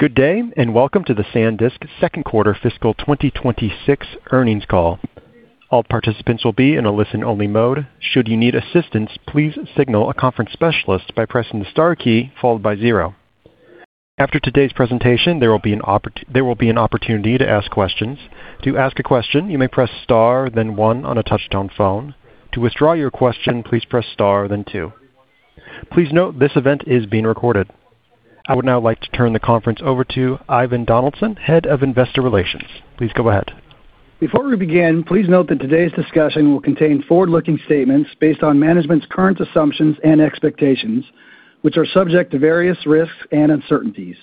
Good day, and welcome to the SanDisk second quarter fiscal 2026 earnings call. All participants will be in a listen-only mode. Should you need assistance, please signal a conference specialist by pressing the star key followed by zero. After today's presentation, there will be an opportunity to ask questions. To ask a question, you may press star, then one on a touch-tone phone. To withdraw your question, please press star, then two. Please note this event is being recorded. I would now like to turn the conference over to Ivan Donaldson, Head of Investor Relations. Please go ahead. Before we begin, please note that today's discussion will contain forward-looking statements based on management's current assumptions and expectations, which are subject to various risks and uncertainties.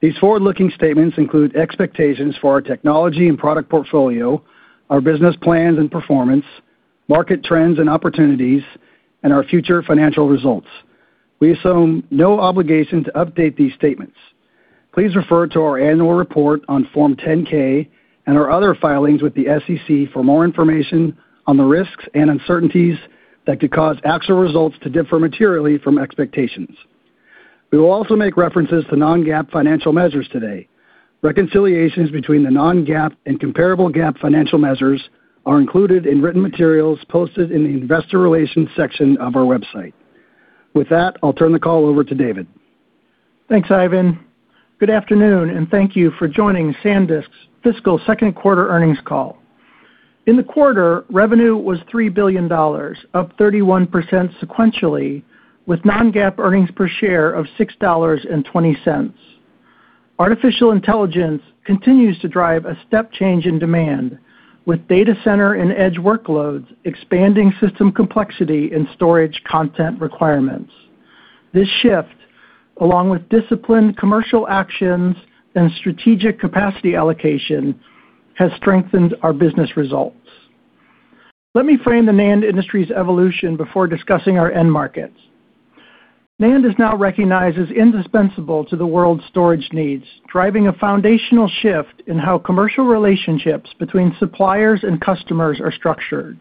These forward-looking statements include expectations for our technology and product portfolio, our business plans and performance, market trends and opportunities, and our future financial results. We assume no obligation to update these statements. Please refer to our annual report on Form 10-K and our other filings with the SEC for more information on the risks and uncertainties that could cause actual results to differ materially from expectations. We will also make references to non-GAAP financial measures today. Reconciliations between the non-GAAP and comparable GAAP financial measures are included in written materials posted in the Investor Relations section of our website. With that, I'll turn the call over to David. Thanks, Ivan. Good afternoon, and thank you for joining SanDisk's fiscal second quarter earnings call. In the quarter, revenue was $3 billion, up 31% sequentially, with non-GAAP earnings per share of $6.20. Artificial intelligence continues to drive a step change in demand, with data center and edge workloads expanding system complexity and storage content requirements. This shift, along with disciplined commercial actions and strategic capacity allocation, has strengthened our business results. Let me frame the NAND industry's evolution before discussing our end markets. NAND is now recognized as indispensable to the world's storage needs, driving a foundational shift in how commercial relationships between suppliers and customers are structured.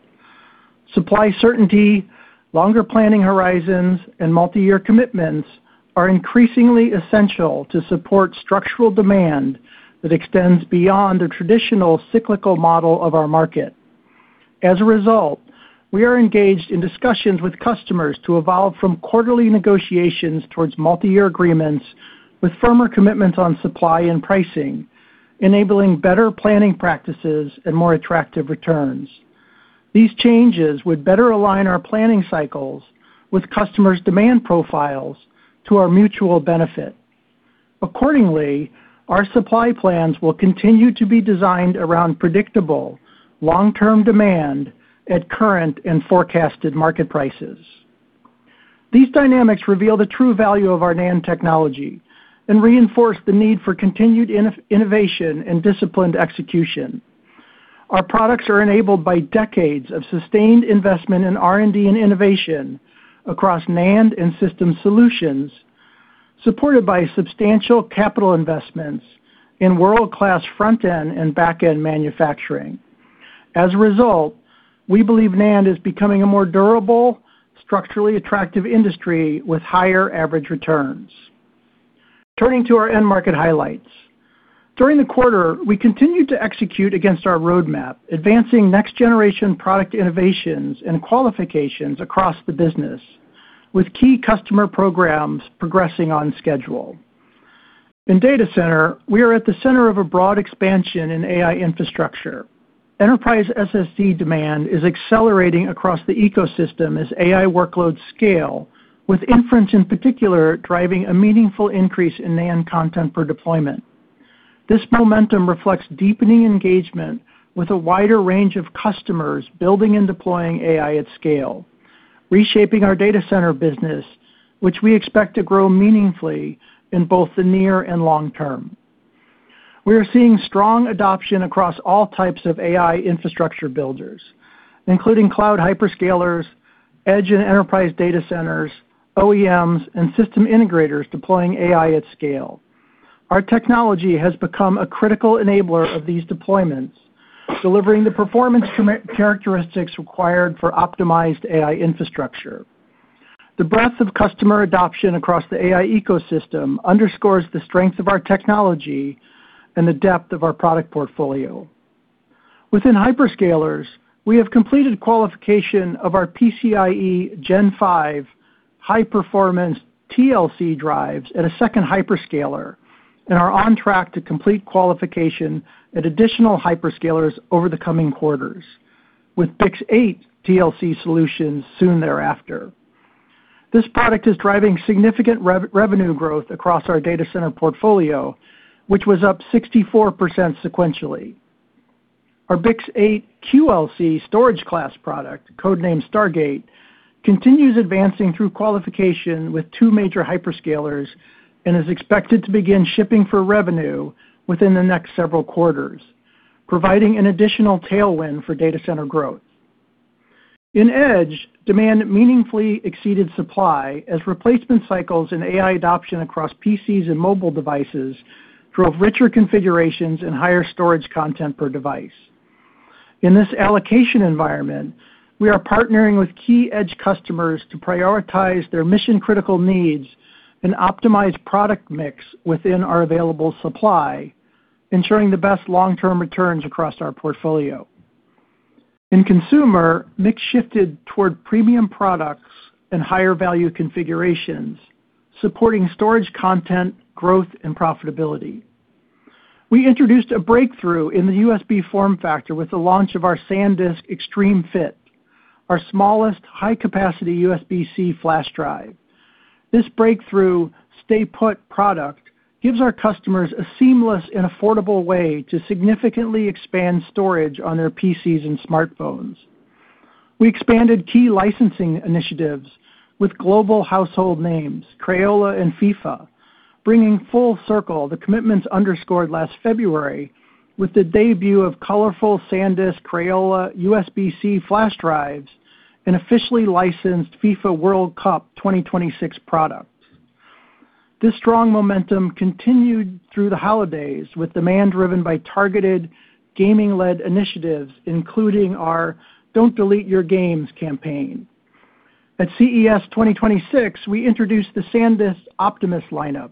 Supply certainty, longer planning horizons, and multi-year commitments are increasingly essential to support structural demand that extends beyond the traditional cyclical model of our market. As a result, we are engaged in discussions with customers to evolve from quarterly negotiations towards multi-year agreements with firmer commitments on supply and pricing, enabling better planning practices and more attractive returns. These changes would better align our planning cycles with customers' demand profiles to our mutual benefit. Accordingly, our supply plans will continue to be designed around predictable, long-term demand at current and forecasted market prices. These dynamics reveal the true value of our NAND technology and reinforce the need for continued innovation and disciplined execution. Our products are enabled by decades of sustained investment in R&D and innovation across NAND and system solutions, supported by substantial capital investments in world-class front-end and back-end manufacturing. As a result, we believe NAND is becoming a more durable, structurally attractive industry with higher average returns. Turning to our end market highlights, during the quarter, we continue to execute against our roadmap, advancing next-generation product innovations and qualifications across the business, with key customer programs progressing on schedule. In data center, we are at the center of a broad expansion in AI infrastructure. Enterprise SSD demand is accelerating across the ecosystem as AI workloads scale, with inference in particular driving a meaningful increase in NAND content per deployment. This momentum reflects deepening engagement with a wider range of customers building and deploying AI at scale, reshaping our data center business, which we expect to grow meaningfully in both the near and long term. We are seeing strong adoption across all types of AI infrastructure builders, including cloud hyperscalers, edge and enterprise data centers, OEMs, and system integrators deploying AI at scale. Our technology has become a critical enabler of these deployments, delivering the performance characteristics required for optimized AI infrastructure. The breadth of customer adoption across the AI ecosystem underscores the strength of our technology and the depth of our product portfolio. Within hyperscalers, we have completed qualification of our PCIe Gen 5 high-performance TLC drives at a second hyperscaler, and are on track to complete qualification at additional hyperscalers over the coming quarters, with BiCS8 TLC solutions soon thereafter. This product is driving significant revenue growth across our data center portfolio, which was up 64% sequentially. Our BiCS8 QLC storage class product, code name Stargate, continues advancing through qualification with two major hyperscalers and is expected to begin shipping for revenue within the next several quarters, providing an additional tailwind for data center growth. In edge, demand meaningfully exceeded supply as replacement cycles in AI adoption across PCs and mobile devices drove richer configurations and higher storage content per device. In this allocation environment, we are partnering with key edge customers to prioritize their mission-critical needs and optimize product mix within our available supply, ensuring the best long-term returns across our portfolio. In consumer, mix shifted toward premium products and higher value configurations, supporting storage content, growth, and profitability. We introduced a breakthrough in the USB form factor with the launch of our SanDisk Extreme Fit, our smallest high-capacity USB-C flash drive. This breakthrough stay-put product gives our customers a seamless and affordable way to significantly expand storage on their PCs and smartphones. We expanded key licensing initiatives with global household names, Crayola and FIFA, bringing full circle the commitments underscored last February with the debut of colorful SanDisk Crayola USB-C flash drives and officially licensed FIFA World Cup 2026 products. This strong momentum continued through the holidays with demand driven by targeted gaming-led initiatives, including our Don't Delete Your Games campaign. At CES 2026, we introduced the SanDisk Optimus lineup,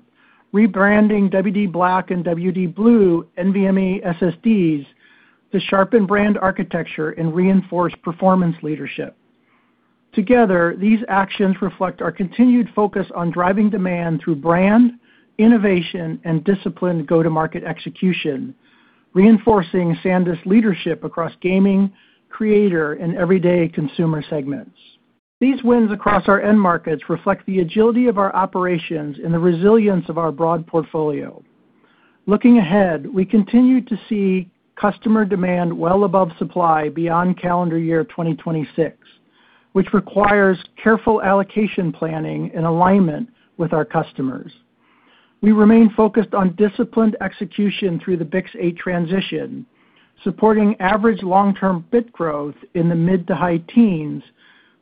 rebranding WD_BLACK and WD Blue NVMe SSDs to sharpen brand architecture and reinforce performance leadership. Together, these actions reflect our continued focus on driving demand through brand, innovation, and disciplined go-to-market execution, reinforcing SanDisk leadership across gaming, creator, and everyday consumer segments. These wins across our end markets reflect the agility of our operations and the resilience of our broad portfolio. Looking ahead, we continue to see customer demand well above supply beyond calendar year 2026, which requires careful allocation planning in alignment with our customers. We remain focused on disciplined execution through the BiCS8 transition, supporting average long-term BIT growth in the mid to high teens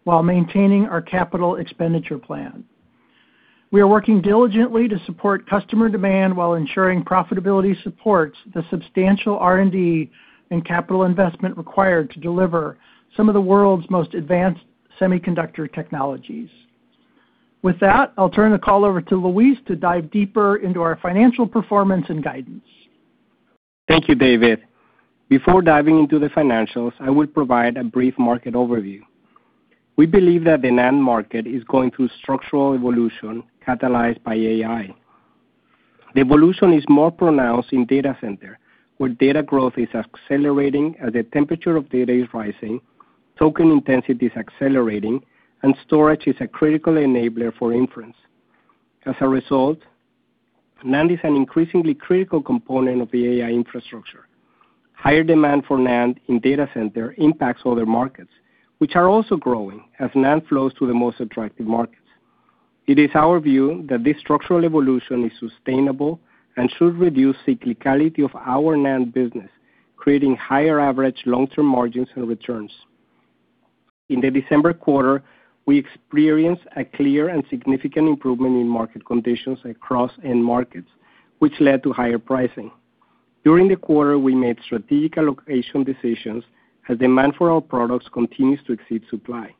while maintaining our capital expenditure plan. We are working diligently to support customer demand while ensuring profitability supports the substantial R&D and capital investment required to deliver some of the world's most advanced semiconductor technologies. With that, I'll turn the call over to Luis to dive deeper into our financial performance and guidance. Thank you, David. Before diving into the financials, I will provide a brief market overview. We believe that the NAND market is going through structural evolution catalyzed by AI. The evolution is more pronounced in data center, where data growth is accelerating as the temperature of data is rising, token intensity is accelerating, and storage is a critical enabler for inference. As a result, NAND is an increasingly critical component of the AI infrastructure. Higher demand for NAND in data center impacts other markets, which are also growing as NAND flows to the most attractive markets. It is our view that this structural evolution is sustainable and should reduce the cyclicality of our NAND business, creating higher average long-term margins and returns. In the December quarter, we experienced a clear and significant improvement in market conditions across end markets, which led to higher pricing. During the quarter, we made strategic allocation decisions as demand for our products continues to exceed supply.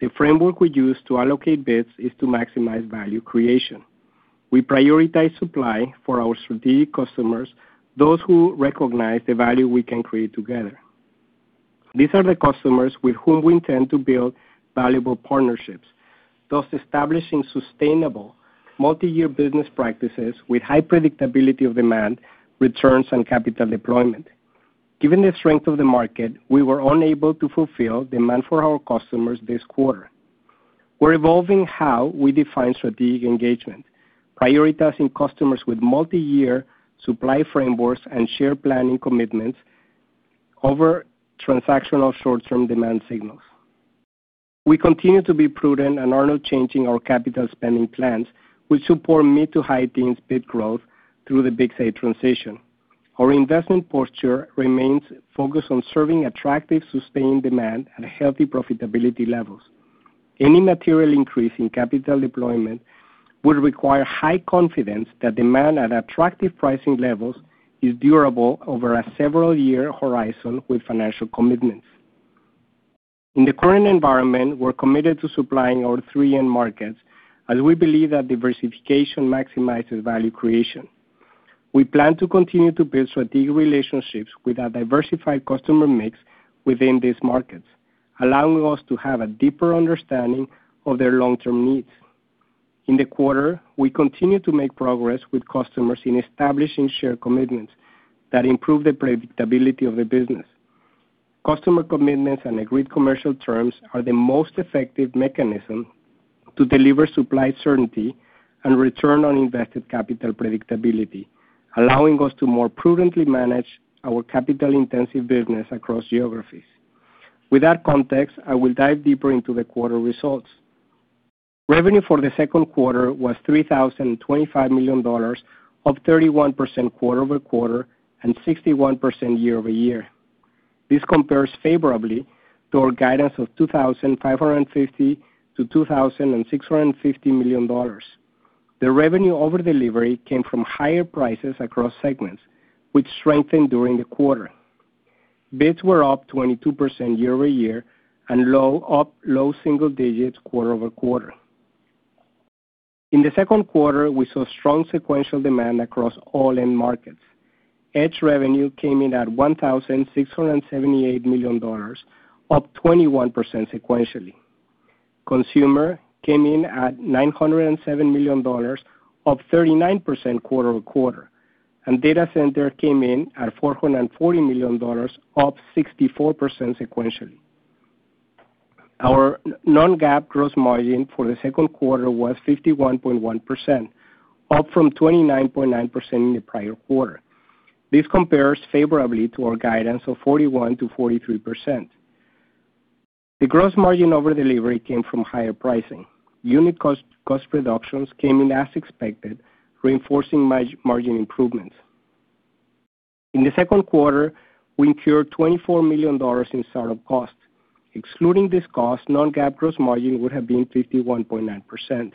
The framework we use to allocate bits is to maximize value creation. We prioritize supply for our strategic customers, those who recognize the value we can create together. These are the customers with whom we intend to build valuable partnerships, thus establishing sustainable multi-year business practices with high predictability of demand, returns, and capital deployment. Given the strength of the market, we were unable to fulfill demand for our customers this quarter. We're evolving how we define strategic engagement, prioritizing customers with multi-year supply frameworks and share planning commitments over transactional short-term demand signals. We continue to be prudent and are not changing our capital spending plans, which support mid- to high-teens bit growth through the BiCS8 transition. Our investment posture remains focused on serving attractive, sustained demand at healthy profitability levels. Any material increase in capital deployment would require high confidence that demand at attractive pricing levels is durable over a several-year horizon with financial commitments. In the current environment, we're committed to supplying our three end markets as we believe that diversification maximizes value creation. We plan to continue to build strategic relationships with a diversified customer mix within these markets, allowing us to have a deeper understanding of their long-term needs. In the quarter, we continue to make progress with customers in establishing share commitments that improve the predictability of the business. Customer commitments and agreed commercial terms are the most effective mechanism to deliver supply certainty and return on invested capital predictability, allowing us to more prudently manage our capital-intensive business across geographies. With that context, I will dive deeper into the quarter results. Revenue for the second quarter was $3,025 million, up 31% quarter-over-quarter and 61% year-over-year. This compares favorably to our guidance of $2,550 million-$2,650 million. The revenue over delivery came from higher prices across segments, which strengthened during the quarter. Bits were up 22% year-over-year and low single digits quarter-over-quarter. In the second quarter, we saw strong sequential demand across all end markets. Edge revenue came in at $1,678 million, up 21% sequentially. Consumer came in at $907 million, up 39% quarter-over-quarter, and data center came in at $440 million, up 64% sequentially. Our non-GAAP gross margin for the second quarter was 51.1%, up from 29.9% in the prior quarter. This compares favorably to our guidance of 41%-43%. The gross margin over delivery came from higher pricing. Unit cost reductions came in as expected, reinforcing margin improvements. In the second quarter, we incurred $24 million in startup cost. Excluding this cost, non-GAAP gross margin would have been 51.9%.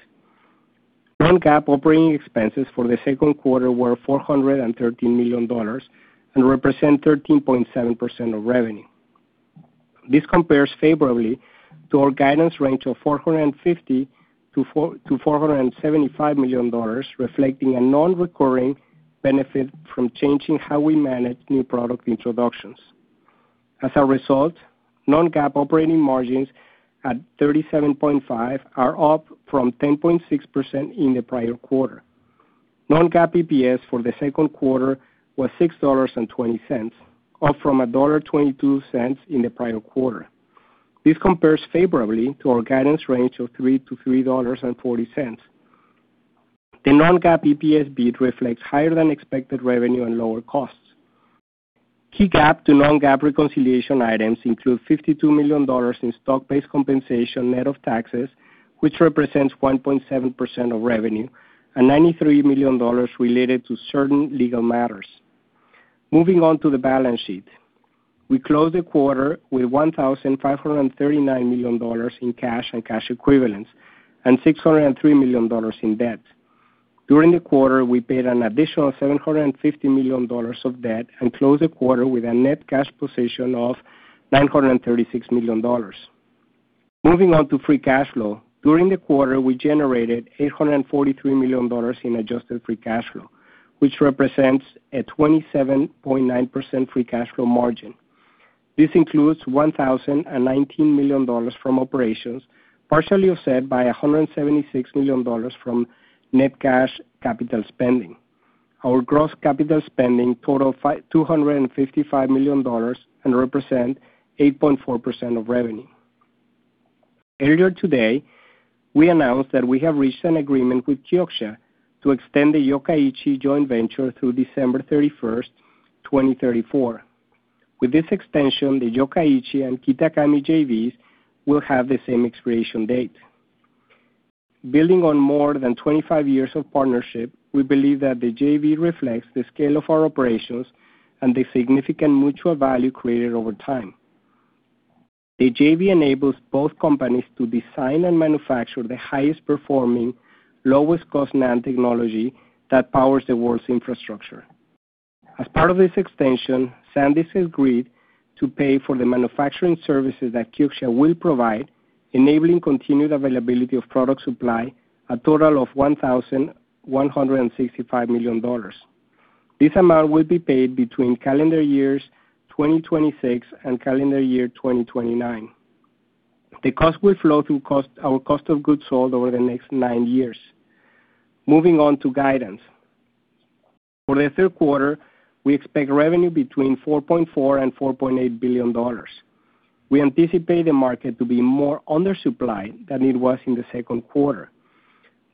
Non-GAAP operating expenses for the second quarter were $413 million and represent 13.7% of revenue. This compares favorably to our guidance range of $450 million-$475 million, reflecting a non-recurring benefit from changing how we manage new product introductions. As a result, non-GAAP operating margins at 37.5% are up from 10.6% in the prior quarter. Non-GAAP EPS for the second quarter was $6.20, up from $1.22 in the prior quarter. This compares favorably to our guidance range of $3.00-$3.40. The non-GAAP EPS beat reflects higher than expected revenue and lower costs. Key GAAP to non-GAAP reconciliation items include $52 million in stock-based compensation net of taxes, which represents 1.7% of revenue, and $93 million related to certain legal matters. Moving on to the balance sheet, we closed the quarter with $1,539 million in cash and cash equivalents and $603 million in debt. During the quarter, we paid an additional $750 million of debt and closed the quarter with a net cash position of $936 million. Moving on to free cash flow, during the quarter, we generated $843 million in adjusted free cash flow, which represents a 27.9% free cash flow margin. This includes $1,019 million from operations, partially offset by $176 million from net cash capital spending. Our gross capital spending totaled $255 million and represents 8.4% of revenue. Earlier today, we announced that we have reached an agreement with Kioxia to extend the Yokkaichi joint venture through December 31st, 2034. With this extension, the Yokkaichi and Kitakami JVs will have the same expiration date. Building on more than 25 years of partnership, we believe that the JV reflects the scale of our operations and the significant mutual value created over time. The JV enables both companies to design and manufacture the highest performing, lowest cost NAND technology that powers the world's infrastructure. As part of this extension, SanDisk is agreed to pay for the manufacturing services that Kioxia will provide, enabling continued availability of product supply, a total of $1,165 million. This amount will be paid between calendar year 2026 and calendar year 2029. The cost will flow through our cost of goods sold over the next nine years. Moving on to guidance. For the third quarter, we expect revenue between $4.4 billion-$4.8 billion. We anticipate the market to be more undersupplied than it was in the second quarter.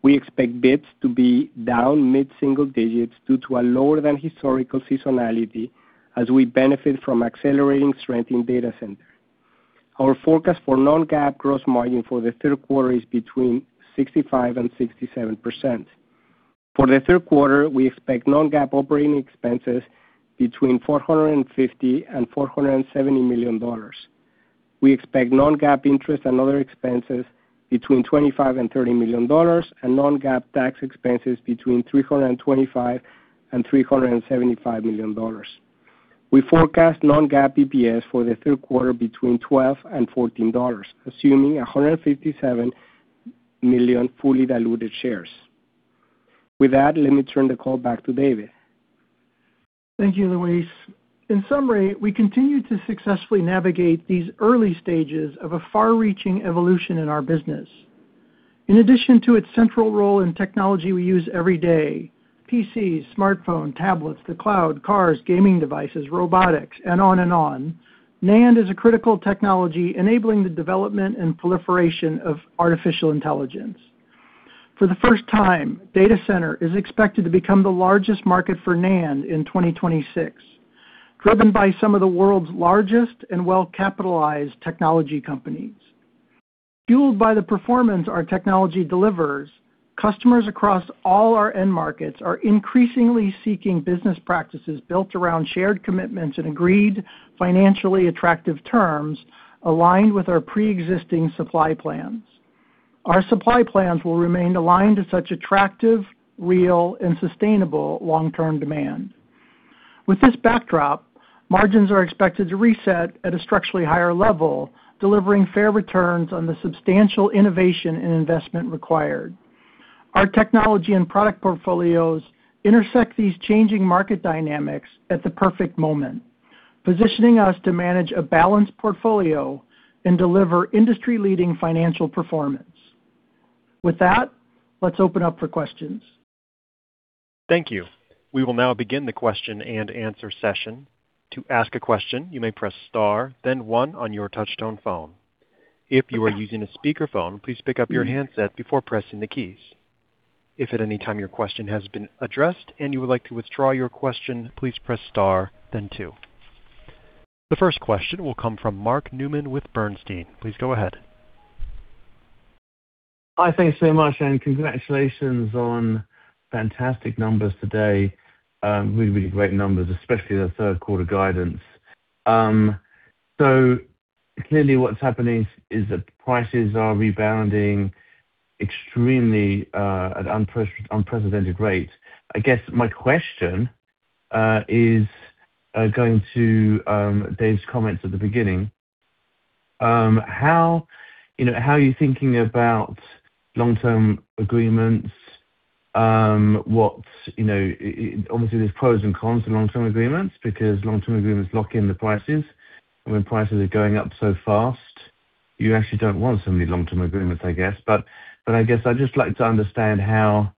We expect bits to be down mid-single digits due to a lower than historical seasonality as we benefit from accelerating strength in data center. Our forecast for non-GAAP gross margin for the third quarter is between 65% and 67%. For the third quarter, we expect non-GAAP operating expenses between $450 million and $470 million. We expect non-GAAP interest and other expenses between $25 million and $30 million and non-GAAP tax expenses between $325 and $375 million. We forecast non-GAAP EPS for the third quarter between $12 and $14, assuming 157 million fully diluted shares. With that, let me turn the call back to David. Thank you, Luis. In summary, we continue to successfully navigate these early stages of a far-reaching evolution in our business. In addition to its central role in technology we use every day, PCs, smartphones, tablets, the cloud, cars, gaming devices, robotics, and on and on, NAND is a critical technology enabling the development and proliferation of artificial intelligence. For the first time, data center is expected to become the largest market for NAND in 2026, driven by some of the world's largest and well-capitalized technology companies. Fueled by the performance our technology delivers, customers across all our end markets are increasingly seeking business practices built around shared commitments and agreed financially attractive terms aligned with our pre-existing supply plans. Our supply plans will remain aligned to such attractive, real, and sustainable long-term demand. With this backdrop, margins are expected to reset at a structurally higher level, delivering fair returns on the substantial innovation and investment required. Our technology and product portfolios intersect these changing market dynamics at the perfect moment, positioning us to manage a balanced portfolio and deliver industry-leading financial performance. With that, let's open up for questions. Thank you. We will now begin the question and answer session. To ask a question, you may press star, then one on your touch-tone phone. If you are using a speakerphone, please pick up your handset before pressing the keys. If at any time your question has been addressed and you would like to withdraw your question, please press star, then two. The first question will come from Mark Newman with Bernstein. Please go ahead. Hi, thanks so much, and congratulations on fantastic numbers today. Really, really great numbers, especially the third quarter guidance. So clearly, what's happening is that prices are rebounding extremely at unprecedented rates. I guess my question is going to David's comments at the beginning. How are you thinking about long-term agreements? Obviously, there's pros and cons to long-term agreements because long-term agreements lock in the prices. When prices are going up so fast, you actually don't want so many long-term agreements, I guess. But I guess I'd just like to understand how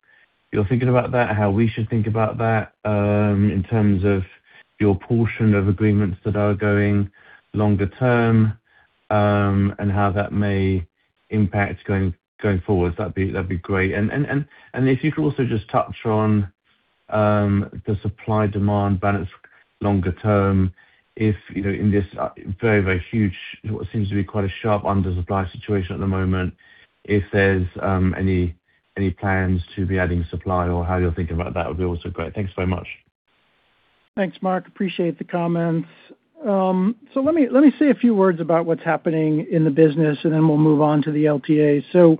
you're thinking about that, how we should think about that in terms of your portion of agreements that are going longer term and how that may impact going forward. That'd be great. And if you could also just touch on the supply-demand balance longer term, if in this very, very huge, what seems to be quite a sharp undersupply situation at the moment, if there's any plans to be adding supply or how you're thinking about that would be also great. Thanks very much. Thanks, Mark. Appreciate the comments. So let me say a few words about what's happening in the business, and then we'll move on to the LTA. So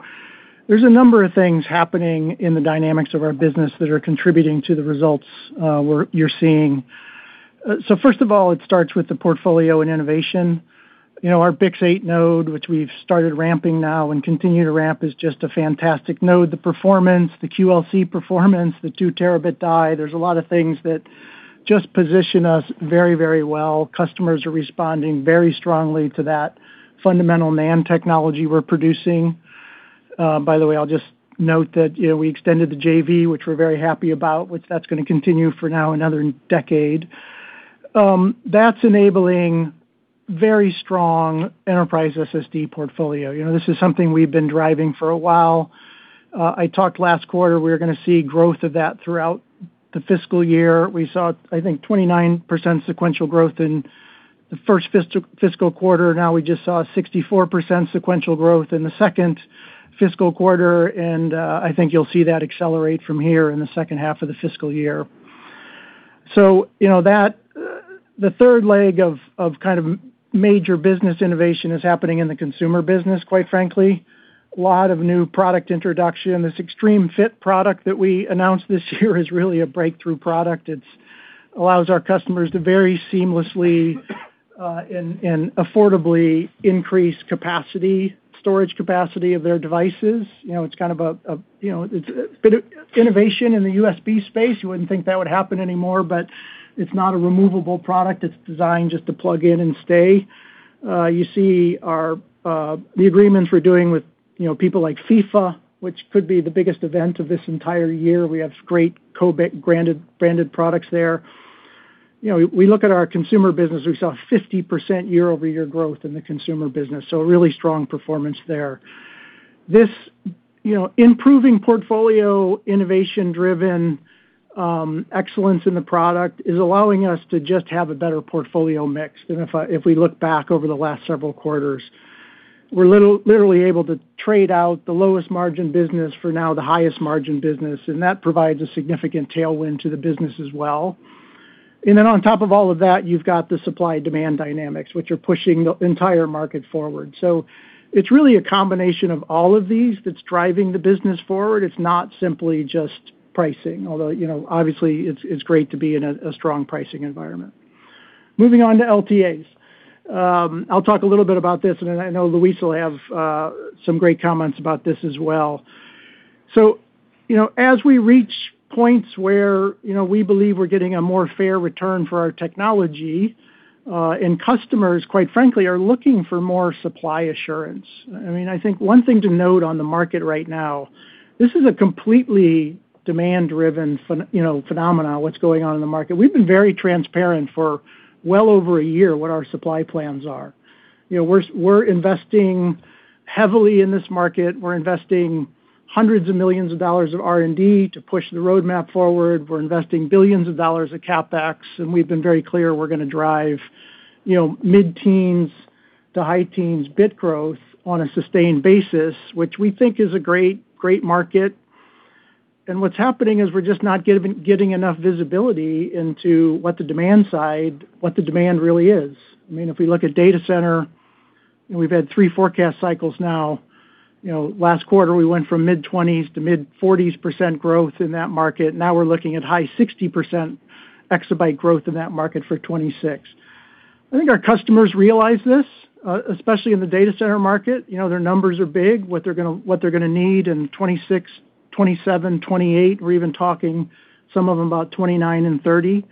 there's a number of things happening in the dynamics of our business that are contributing to the results you're seeing. So first of all, it starts with the portfolio and innovation. Our BiCS8 node, which we've started ramping now and continue to ramp, is just a fantastic node. The performance, the QLC performance, the 2-terabit die, there's a lot of things that just position us very, very well. Customers are responding very strongly to that fundamental NAND technology we're producing. By the way, I'll just note that we extended the JV, which we're very happy about, which that's going to continue for now another decade. That's enabling very strong Enterprise SSD portfolio. This is something we've been driving for a while. I talked last quarter, we were going to see growth of that throughout the fiscal year. We saw, I think, 29% sequential growth in the first fiscal quarter. Now we just saw 64% sequential growth in the second fiscal quarter. And I think you'll see that accelerate from here in the second half of the fiscal year. So the third leg of kind of major business innovation is happening in the consumer business, quite frankly. A lot of new product introduction. This Extreme Fit product that we announced this year is really a breakthrough product. It allows our customers to very seamlessly and affordably increase storage capacity of their devices. It's kind of a bit of innovation in the USB space. You wouldn't think that would happen anymore, but it's not a removable product. It's designed just to plug in and stay. You see the agreements we're doing with people like FIFA, which could be the biggest event of this entire year. We have great co-branded products there. We look at our consumer business. We saw 50% year-over-year growth in the consumer business, so really strong performance there. This improving portfolio innovation-driven excellence in the product is allowing us to just have a better portfolio mix. If we look back over the last several quarters, we're literally able to trade out the lowest margin business for now the highest margin business. That provides a significant tailwind to the business as well. On top of all of that, you've got the supply-demand dynamics, which are pushing the entire market forward. It's really a combination of all of these that's driving the business forward. It's not simply just pricing, although obviously it's great to be in a strong pricing environment. Moving on to LTAs. I'll talk a little bit about this, and I know Luis will have some great comments about this as well. So as we reach points where we believe we're getting a more fair return for our technology, and customers, quite frankly, are looking for more supply assurance. I mean, I think one thing to note on the market right now, this is a completely demand-driven phenomenon, what's going on in the market. We've been very transparent for well over a year what our supply plans are. We're investing heavily in this market. We're investing hundreds of millions of dollars of R&D to push the roadmap forward. We're investing billions of dollars of CapEx. And we've been very clear we're going to drive mid-teens to high-teens bit growth on a sustained basis, which we think is a great market. And what's happening is we're just not getting enough visibility into what the demand side, what the demand really is. I mean, if we look at data center, we've had 3 forecast cycles now. Last quarter, we went from mid-20s to mid-40s% growth in that market. Now we're looking at high 60% exabyte growth in that market for 2026. I think our customers realize this, especially in the data center market. Their numbers are big, what they're going to need in 2026, 2027, 2028. We're even talking some of them about 2029 and 2030.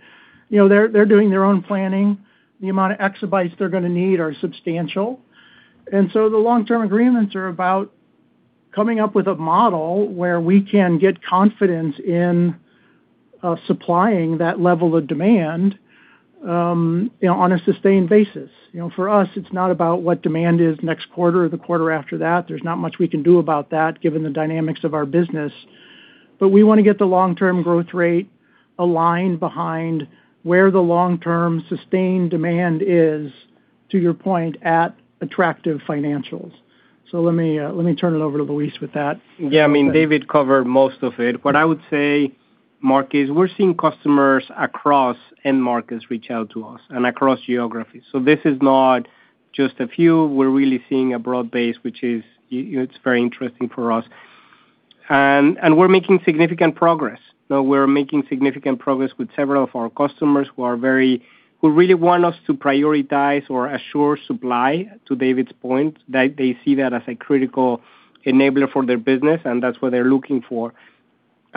They're doing their own planning. The amount of exabytes they're going to need are substantial. The long-term agreements are about coming up with a model where we can get confidence in supplying that level of demand on a sustained basis. For us, it's not about what demand is next quarter or the quarter after that. There's not much we can do about that given the dynamics of our business. But we want to get the long-term growth rate aligned behind where the long-term sustained demand is, to your point, at attractive financials. Let me turn it over to Luis with that. Yeah, I mean, David covered most of it. What I would say, Mark, is we're seeing customers across end markets reach out to us and across geographies. So this is not just a few. We're really seeing a broad base, which is very interesting for us. And we're making significant progress. We're making significant progress with several of our customers who really want us to prioritize or assure supply, to David's point. They see that as a critical enabler for their business, and that's what they're looking for.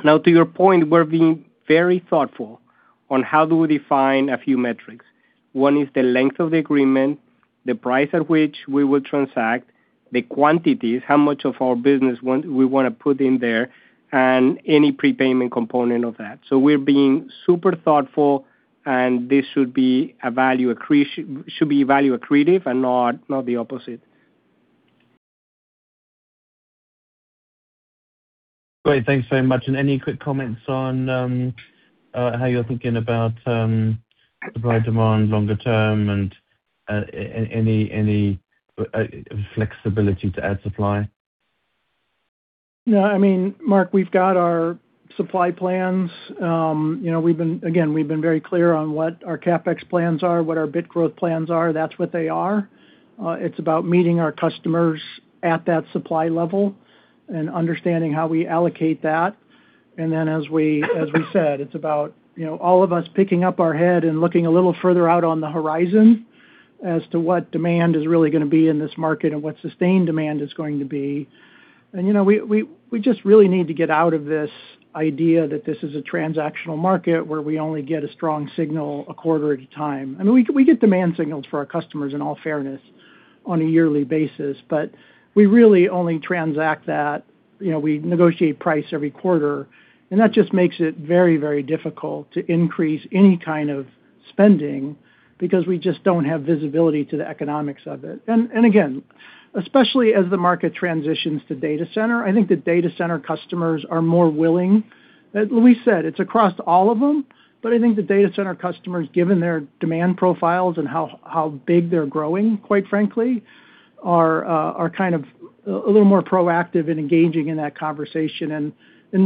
Now, to your point, we're being very thoughtful on how do we define a few metrics. One is the length of the agreement, the price at which we will transact, the quantities, how much of our business we want to put in there, and any prepayment component of that. We're being super thoughtful, and this should be value accretive and not the opposite. Great. Thanks very much. Any quick comments on how you're thinking about supply-demand longer term and any flexibility to add supply? Yeah. I mean, Mark, we've got our supply plans. Again, we've been very clear on what our CapEx plans are, what our bit growth plans are. That's what they are. It's about meeting our customers at that supply level and understanding how we allocate that. And then, as we said, it's about all of us picking up our head and looking a little further out on the horizon as to what demand is really going to be in this market and what sustained demand is going to be. And we just really need to get out of this idea that this is a transactional market where we only get a strong signal a quarter at a time. I mean, we get demand signals for our customers, in all fairness, on a yearly basis, but we really only transact that. We negotiate price every quarter. And that just makes it very, very difficult to increase any kind of spending because we just don't have visibility to the economics of it. And again, especially as the market transitions to data center, I think the data center customers are more willing. Like Luis said, it's across all of them. But I think the data center customers, given their demand profiles and how big they're growing, quite frankly, are kind of a little more proactive and engaging in that conversation and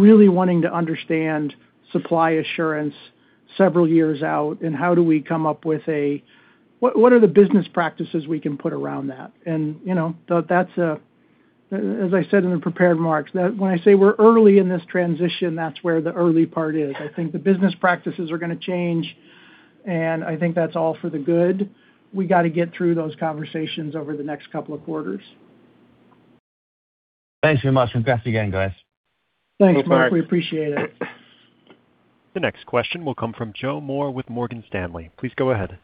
really wanting to understand supply assurance several years out and how do we come up with a what are the business practices we can put around that. And as I said in the prepared remarks, when I say we're early in this transition, that's where the early part is. I think the business practices are going to change, and I think that's all for the good. We got to get through those conversations over the next couple of quarters. Thanks very much. Congrats again, guys. Thanks, Mark. We appreciate it. The next question will come from Joe Moore with Morgan Stanley. Please go ahead.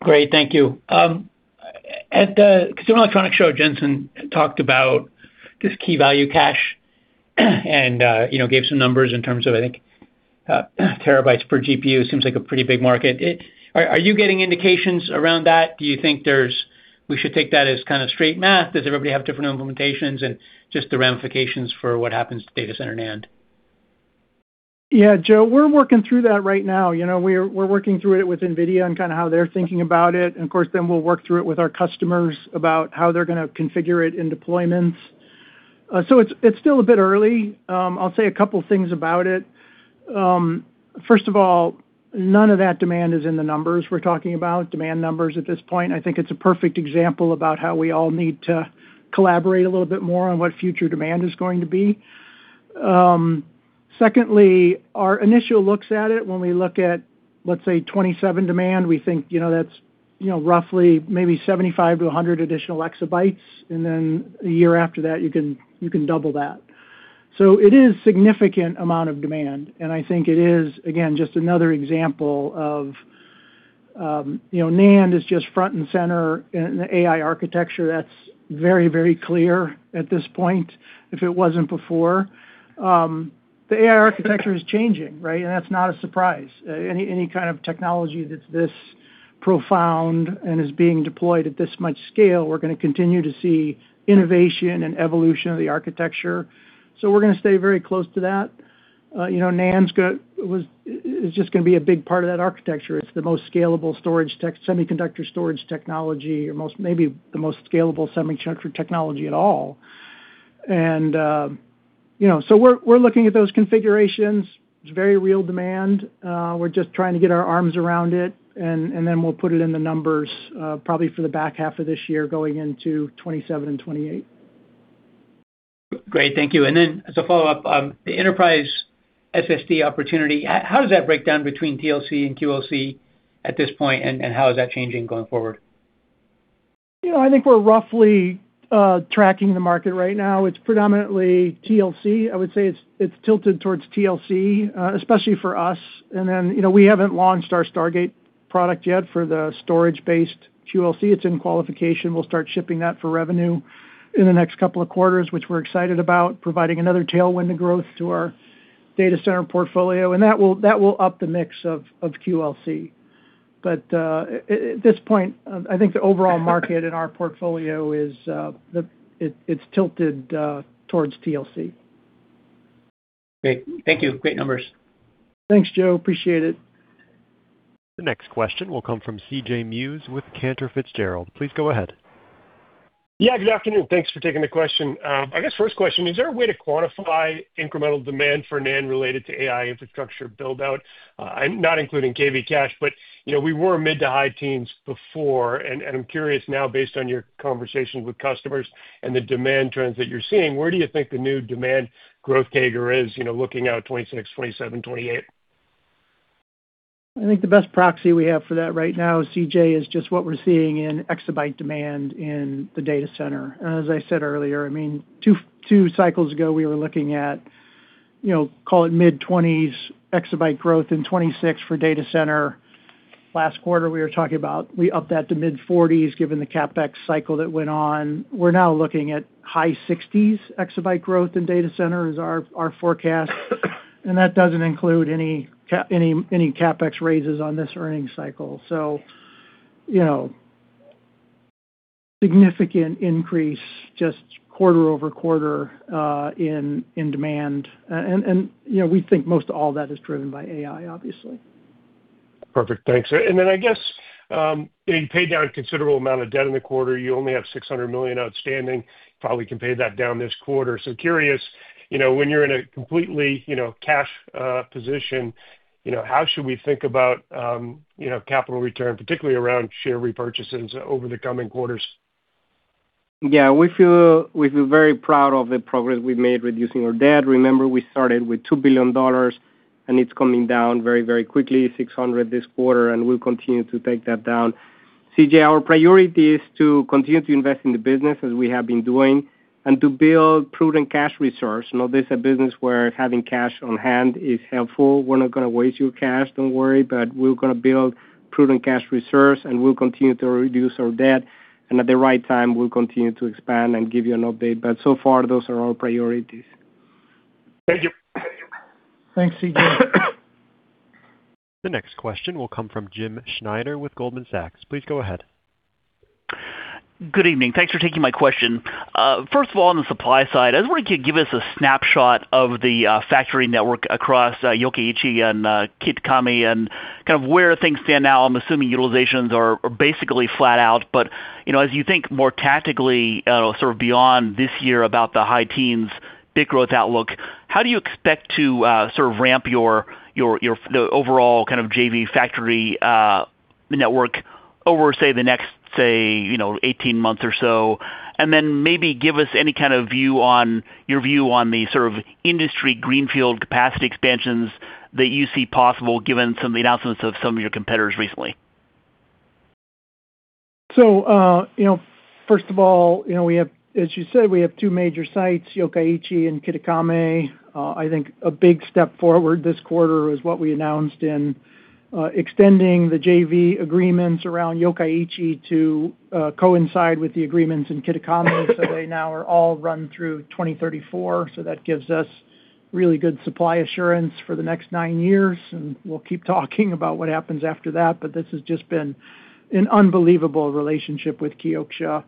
Great. Thank you. At the Consumer Electronics Show, Jensen talked about this key-value cache and gave some numbers in terms of, I think, terabytes per GPU. It seems like a pretty big market. Are you getting indications around that? Do you think we should take that as kind of straight math? Does everybody have different implementations? And just the ramifications for what happens to data center NAND? Yeah, Joe, we're working through that right now. We're working through it with NVIDIA and kind of how they're thinking about it. And of course, then we'll work through it with our customers about how they're going to configure it in deployments. So it's still a bit early. I'll say a couple of things about it. First of all, none of that demand is in the numbers we're talking about, demand numbers at this point. I think it's a perfect example about how we all need to collaborate a little bit more on what future demand is going to be. Secondly, our initial looks at it, when we look at, let's say, 2027 demand, we think that's roughly maybe 75-100 additional exabytes. And then the year after that, you can double that. So it is a significant amount of demand. And I think it is, again, just another example of NAND is just front and center in the AI architecture. That's very, very clear at this point, if it wasn't before. The AI architecture is changing, right? And that's not a surprise. Any kind of technology that's this profound and is being deployed at this much scale, we're going to continue to see innovation and evolution of the architecture. So we're going to stay very close to that. NAND is just going to be a big part of that architecture. It's the most scalable semiconductor storage technology, maybe the most scalable semiconductor technology at all. And so we're looking at those configurations. It's very real demand. We're just trying to get our arms around it. And then we'll put it in the numbers probably for the back half of this year going into 2027 and 2028. Great. Thank you. And then as a follow-up, the Enterprise SSD opportunity, how does that break down between TLC and QLC at this point, and how is that changing going forward? I think we're roughly tracking the market right now. It's predominantly TLC. I would say it's tilted towards TLC, especially for us. And then we haven't launched our Stargate product yet for the storage-based QLC. It's in qualification. We'll start shipping that for revenue in the next couple of quarters, which we're excited about, providing another tailwind of growth to our data center portfolio. And that will up the mix of QLC. But at this point, I think the overall market in our portfolio, it's tilted towards TLC. Great. Thank you. Great numbers. Thanks, Joe. Appreciate it. The next question will come from CJ Muse with Cantor Fitzgerald. Please go ahead. Yeah, good afternoon. Thanks for taking the question. I guess first question, is there a way to quantify incremental demand for NAND related to AI infrastructure build-out? I'm not including KV Cache, but we were mid-to-high teens before. And I'm curious now, based on your conversations with customers and the demand trends that you're seeing, where do you think the new demand growth CAGR is looking out 2026, 2027, 2028? I think the best proxy we have for that right now, CJ, is just what we're seeing in exabyte demand in the data center. And as I said earlier, I mean, two cycles ago, we were looking at, call it mid-20s exabyte growth in 2026 for data center. Last quarter, we were talking about we upped that to mid-40s given the CapEx cycle that went on. We're now looking at high 60s exabyte growth in data center is our forecast. And that doesn't include any CapEx raises on this earnings cycle. So significant increase, just quarter-over-quarter in demand. And we think most of all that is driven by AI, obviously. Perfect. Thanks. And then I guess you paid down a considerable amount of debt in the quarter. You only have $600 million outstanding. Probably can pay that down this quarter. So curious, when you're in a completely cash position, how should we think about capital return, particularly around share repurchases over the coming quarters? Yeah. We feel very proud of the progress we've made reducing our debt. Remember, we started with $2 billion, and it's coming down very, very quickly, $600 million this quarter, and we'll continue to take that down. CJ, our priority is to continue to invest in the business as we have been doing and to build prudent cash resource. This is a business where having cash on hand is helpful. We're not going to waste your cash. Don't worry. But we're going to build prudent cash resource, and we'll continue to reduce our debt. And at the right time, we'll continue to expand and give you an update. But so far, those are our priorities. Thank you. Thanks, CJ. The next question will come from Jim Schneider with Goldman Sachs. Please go ahead. Good evening. Thanks for taking my question. First of all, on the supply side, I just wanted to give us a snapshot of the factory network across Yokkaichi and Kitakami and kind of where things stand now. I'm assuming utilizations are basically flat out. But as you think more tactically, sort of beyond this year about the high teens bit growth outlook, how do you expect to sort of ramp your overall kind of JV factory network over, say, the next, say, 18 months or so? And then maybe give us any kind of view on your view on the sort of industry greenfield capacity expansions that you see possible given some of the announcements of some of your competitors recently. So first of all, as you said, we have two major sites, Yokkaichi and Kitakami. I think a big step forward this quarter is what we announced in extending the JV agreements around Yokkaichi to coincide with the agreements in Kitakami. So they now are all run through 2034. So that gives us really good supply assurance for the next nine years. And we'll keep talking about what happens after that. But this has just been an unbelievable relationship with Kioxia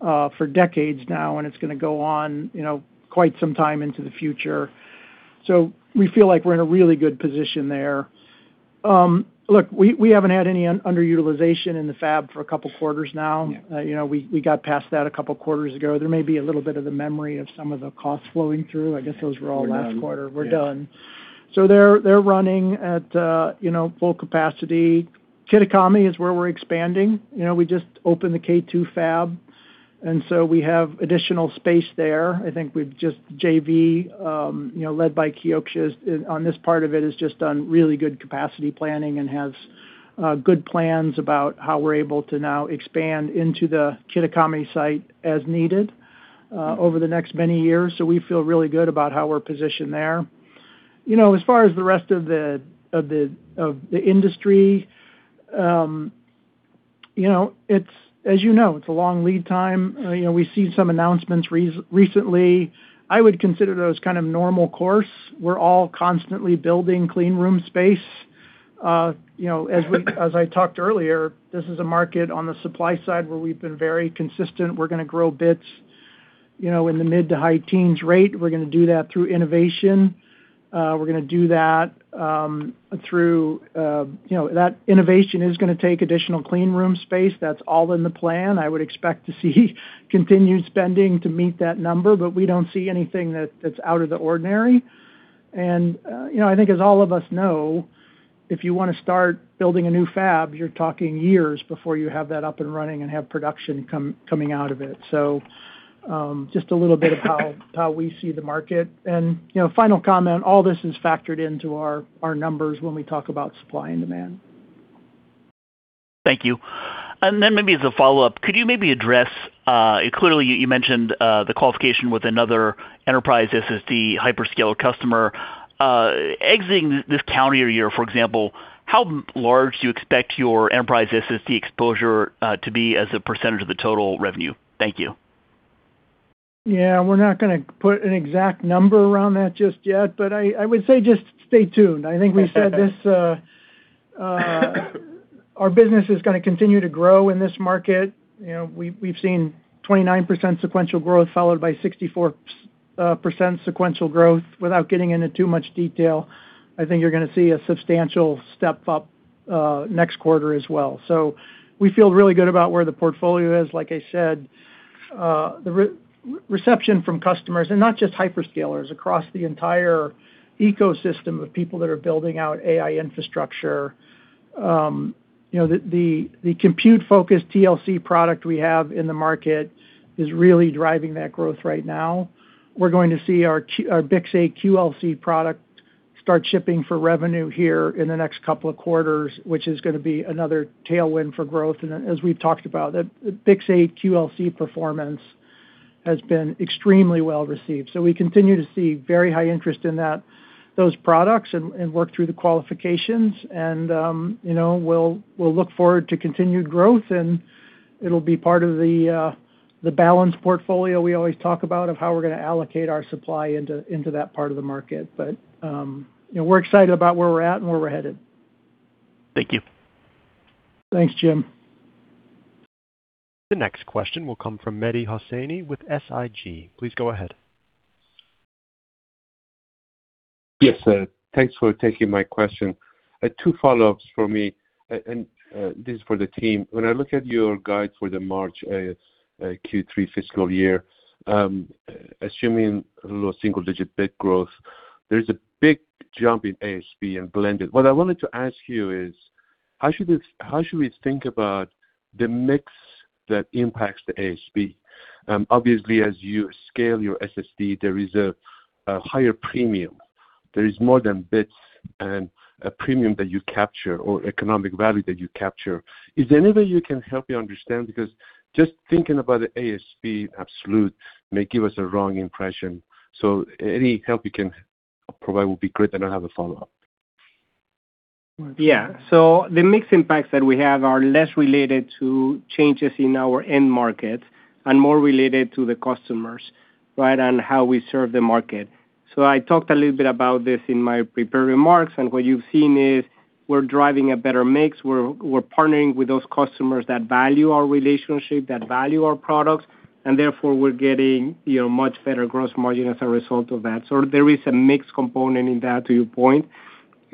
for decades now, and it's going to go on quite some time into the future. So we feel like we're in a really good position there. Look, we haven't had any underutilization in the fab for a couple of quarters now. We got past that a couple of quarters ago. There may be a little bit of the memory of some of the costs flowing through. I guess those were all last quarter. We're done. So they're running at full capacity. Kitakami is where we're expanding. We just opened the K2 fab. And so we have additional space there. I think the JV led by Yokkaichi on this part of it has just done really good capacity planning and has good plans about how we're able to now expand into the Kitakami site as needed over the next many years. So we feel really good about how we're positioned there. As far as the rest of the industry, as you know, it's a long lead time. We've seen some announcements recently. I would consider those kind of normal course. We're all constantly building clean room space. As I talked earlier, this is a market on the supply side where we've been very consistent. We're going to grow bits in the mid- to high-teens rate. We're going to do that through innovation. We're going to do that through that innovation is going to take additional clean room space. That's all in the plan. I would expect to see continued spending to meet that number, but we don't see anything that's out of the ordinary. And I think, as all of us know, if you want to start building a new fab, you're talking years before you have that up and running and have production coming out of it. So just a little bit of how we see the market. And final comment, all this is factored into our numbers when we talk about supply and demand. Thank you. And then maybe as a follow-up, could you maybe address clearly, you mentioned the qualification with another Enterprise SSD hyperscale customer. Exiting this calendar year, for example, how large do you expect your Enterprise SSD exposure to be as a percentage of the total revenue? Thank you. Yeah. We're not going to put an exact number around that just yet, but I would say just stay tuned. I think we said our business is going to continue to grow in this market. We've seen 29% sequential growth followed by 64% sequential growth. Without getting into too much detail, I think you're going to see a substantial step up next quarter as well. So we feel really good about where the portfolio is. Like I said, the reception from customers, and not just hyperscalers, across the entire ecosystem of people that are building out AI infrastructure, the compute-focused TLC product we have in the market is really driving that growth right now. We're going to see our BiCS8 QLC product start shipping for revenue here in the next couple of quarters, which is going to be another tailwind for growth. And as we've talked about, the BiCS8 QLC performance has been extremely well received. So we continue to see very high interest in those products and work through the qualifications. And we'll look forward to continued growth. And it'll be part of the balanced portfolio we always talk about of how we're going to allocate our supply into that part of the market. But we're excited about where we're at and where we're headed. Thank you. Thanks, Jim. The next question will come from Mehdi Hosseini with SIG. Please go ahead. Yes. Thanks for taking my question. Two follow-ups for me. This is for the team. When I look at your guidance for the March Q3 fiscal year, assuming low single-digit bit growth, there's a big jump in ASP and blended. What I wanted to ask you is, how should we think about the mix that impacts the ASP? Obviously, as you scale your SSD, there is a higher premium. There is more than bits and a premium that you capture or economic value that you capture. Is there any way you can help me understand? Because just thinking about the ASP absolute may give us a wrong impression. So any help you can provide would be great. And I have a follow-up. Yeah. So the mixed impacts that we have are less related to changes in our end market and more related to the customers, right, and how we serve the market. So I talked a little bit about this in my prepared remarks. And what you've seen is we're driving a better mix. We're partnering with those customers that value our relationship, that value our products. And therefore, we're getting much better gross margin as a result of that. So there is a mixed component in that, to your point,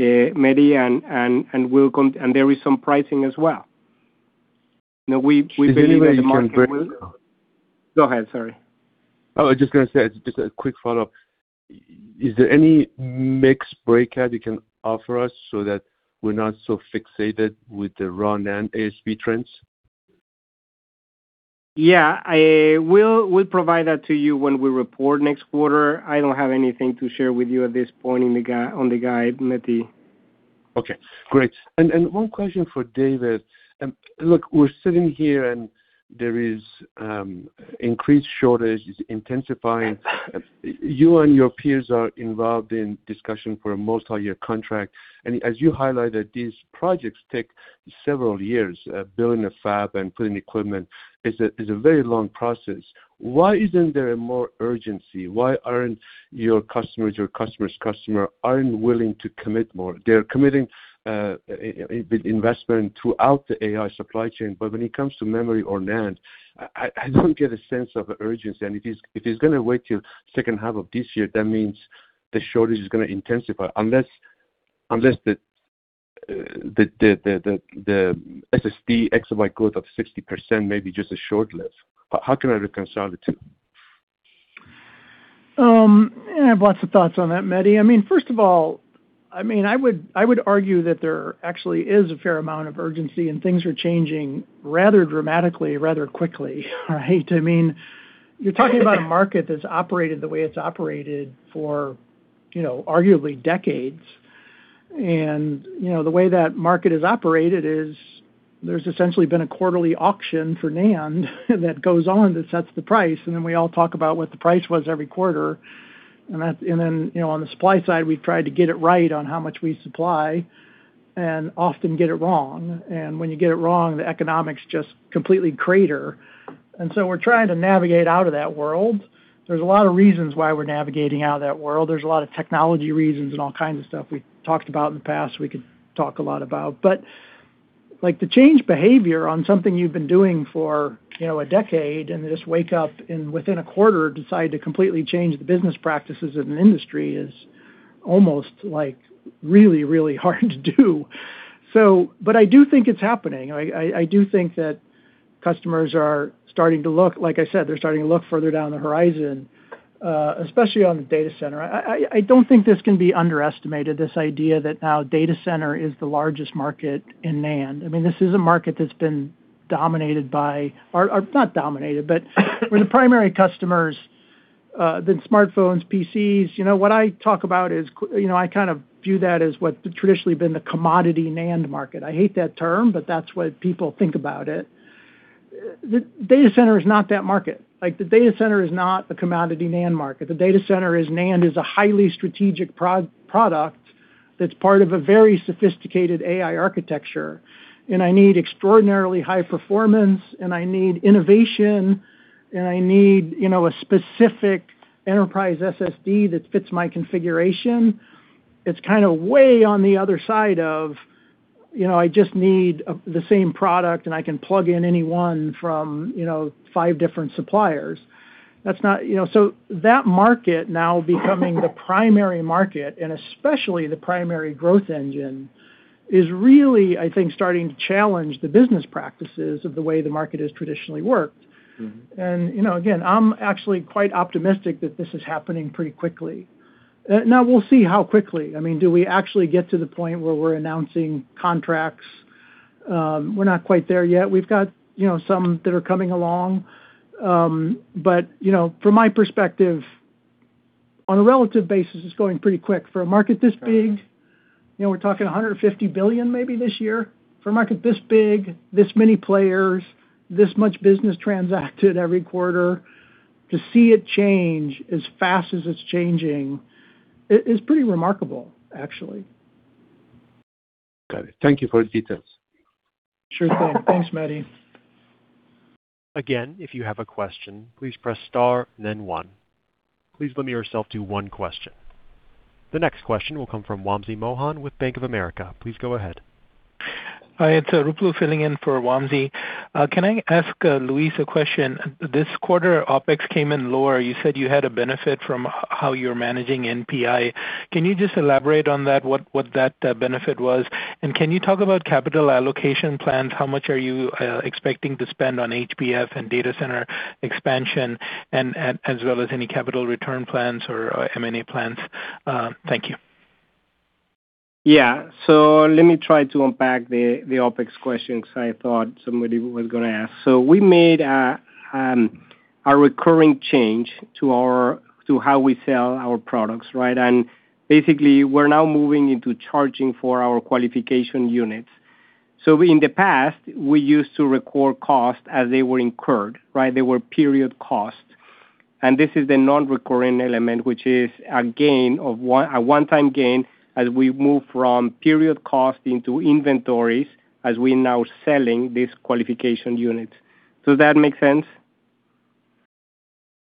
Mehdi and Wilco, and there is some pricing as well. We believe in the market. Go ahead. Sorry. I was just going to say, just a quick follow-up. Is there any mixed breakout you can offer us so that we're not so fixated with the raw NAND ASB trends? Yeah. We'll provide that to you when we report next quarter. I don't have anything to share with you at this point on the guide, Mehdi. Okay. Great. And one question for David. Look, we're sitting here and there is increased shortage intensifying. You and your peers are involved in discussion for most of your contract. And as you highlighted, these projects take several years. Building a fab and putting equipment is a very long process. Why isn't there a more urgency? Why aren't your customers, your customer's customer, aren't willing to commit more? They're committing investment throughout the AI supply chain. But when it comes to memory or NAND, I don't get a sense of urgency. And if it's going to wait till second half of this year, that means the shortage is going to intensify unless the SSD exabyte growth of 60% may be just a short live. How can I reconcile the two? I have lots of thoughts on that, Mehdi. I mean, first of all, I mean, I would argue that there actually is a fair amount of urgency and things are changing rather dramatically, rather quickly, right? I mean, you're talking about a market that's operated the way it's operated for arguably decades. And the way that market is operated is there's essentially been a quarterly auction for NAND that goes on that sets the price. And then we all talk about what the price was every quarter. And on the supply side, we've tried to get it right on how much we supply and often get it wrong. And when you get it wrong, the economics just completely crater. And so we're trying to navigate out of that world. There's a lot of reasons why we're navigating out of that world. There's a lot of technology reasons and all kinds of stuff we talked about in the past we could talk a lot about. But the change behavior on something you've been doing for a decade and just wake up and within a quarter decide to completely change the business practices in an industry is almost really, really hard to do. But I do think it's happening. I do think that customers are starting to look like I said, they're starting to look further down the horizon, especially on the data center. I don't think this can be underestimated, this idea that now data center is the largest market in NAND. I mean, this is a market that's been dominated by or not dominated, but where the primary customers have been smartphones, PCs. What I talk about is I kind of view that as what's traditionally been the commodity NAND market. I hate that term, but that's what people think about it. Data center is not that market. The data center is not a commodity NAND market. The data center is NAND is a highly strategic product that's part of a very sophisticated AI architecture. And I need extraordinarily high performance, and I need innovation, and I need a specific enterprise SSD that fits my configuration. It's kind of way on the other side of I just need the same product and I can plug in anyone from five different suppliers. That's not so that market now becoming the primary market and especially the primary growth engine is really, I think, starting to challenge the business practices of the way the market has traditionally worked. And again, I'm actually quite optimistic that this is happening pretty quickly. Now, we'll see how quickly. I mean, do we actually get to the point where we're announcing contracts? We're not quite there yet. We've got some that are coming along. But from my perspective, on a relative basis, it's going pretty quick. For a market this big, we're talking $150 billion maybe this year. For a market this big, this many players, this much business transacted every quarter, to see it change as fast as it's changing is pretty remarkable, actually. Got it. Thank you for the details. Sure thing. Thanks, Mehdi. Again, if you have a question, please press star and then one. Please limit yourself to one question. The next question will come from Wamsi Mohan with Bank of America. Please go ahead. Hi. It's Rupal filling in for Wamsi. Can I ask Luis a question? This quarter, OpEx came in lower. You said you had a benefit from how you're managing NPI. Can you just elaborate on that, what that benefit was? And can you talk about capital allocation plans? How much are you expecting to spend on HBF and data center expansion, as well as any capital return plans or M&A plans? Thank you. Yeah. So let me try to unpack the OpEx question because I thought somebody was going to ask. So we made a recurring change to how we sell our products, right? And basically, we're now moving into charging for our qualification units. So in the past, we used to record costs as they were incurred, right? They were period costs. And this is the non-recurring element, which is a gain of a one-time gain as we move from period costs into inventories as we're now selling these qualification units. Does that make sense?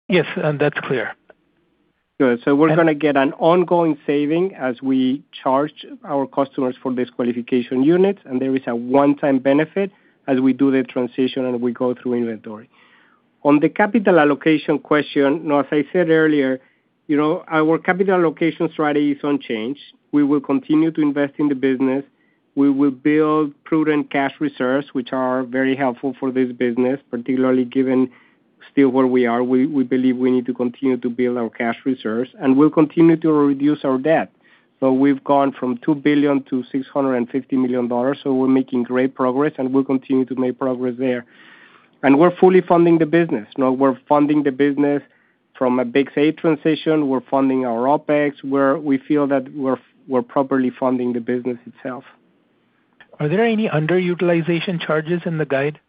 Yes. That's clear. Good. So we're going to get an ongoing saving as we charge our customers for these qualification units. And there is a one-time benefit as we do the transition and we go through inventory. On the capital allocation question, as I said earlier, our capital allocation strategy is unchanged. We will continue to invest in the business. We will build prudent cash reserves, which are very helpful for this business, particularly given still where we are. We believe we need to continue to build our cash reserves. And we'll continue to reduce our debt. So we've gone from $2 billion to $650 million. So we're making great progress, and we'll continue to make progress there. And we're fully funding the business. We're funding the business from a BiCS8 transition. We're funding our OpEx. We feel that we're properly funding the business itself. Are there any underutilization charges in the guide?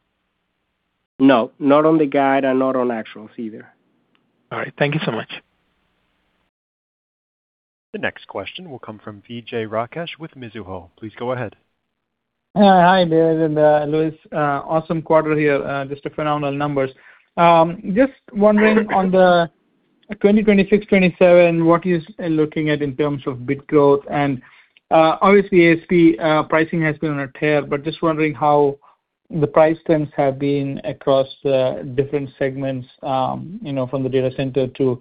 No. Not on the guide and not on actuals either. All right. Thank you so much. The next question will come from Vijay Rakesh with Mizuho. Please go ahead. Hi, David and Luis. Awesome quarter here. Just phenomenal numbers. Just wondering on the 2026, 2027, what you're looking at in terms of bit growth. And obviously, ASP pricing has been on a tear, but just wondering how the price trends have been across different segments from the data center to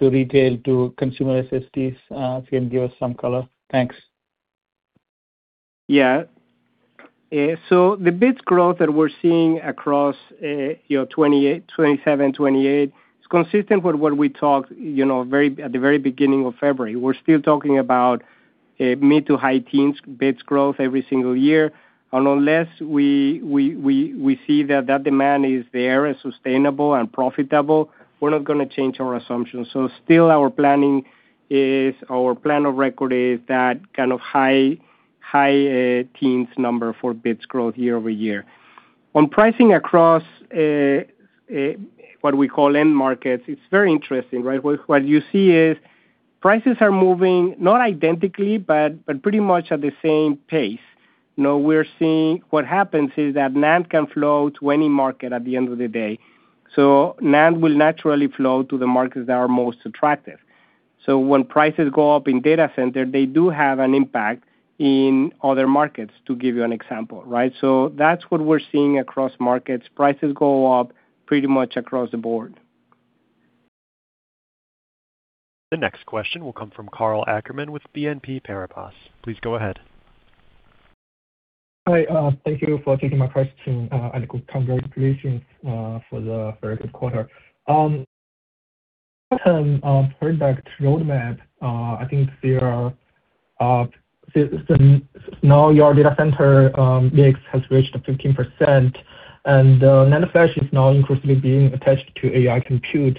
retail to consumer SSDs, if you can give us some color. Thanks. Yeah. So the bit growth that we're seeing across 2027, 2028 is consistent with what we talked at the very beginning of February. We're still talking about mid- to high-teens bit growth every single year. And unless we see that that demand is there and sustainable and profitable, we're not going to change our assumptions. So still, our planning is our plan of record is that kind of high-teens number for bit growth year-over-year. On pricing across what we call end markets, it's very interesting, right? What you see is prices are moving not identically, but pretty much at the same pace. What happens is that NAND can flow to any market at the end of the day. So NAND will naturally flow to the markets that are most attractive. When prices go up in data center, they do have an impact in other markets, to give you an example, right? That's what we're seeing across markets. Prices go up pretty much across the board. The next question will come from Karl Ackerman with BNP Paribas. Please go ahead. Hi. Thank you for taking my question. And congratulations for the very good quarter. Product roadmap, I think there are now your data center mix has reached 15%. And NAND flash is now increasingly being attached to AI compute.